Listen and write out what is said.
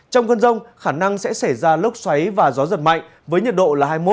trong cơn rông khả năng sẽ xảy ra lốc xoáy và gió giật mạnh với nhiệt độ là hai mươi một đến ba mươi một độ